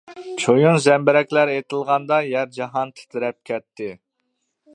چويۇن زەمبىرەكلەر ئېتىلغاندا، يەر- جاھان تىترەپ كەتتى.